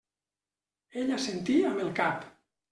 Ell assentí amb el cap.